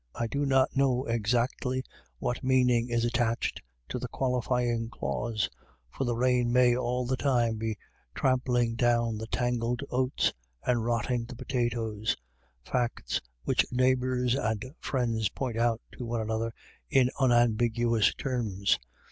I do not know exactly what meaning is attached to the qualifying clause, for the rain may all the time be trampling down the tangled oats and rotting the potatoes — facts which neighbours and friends point out to one another in unam biguous terms.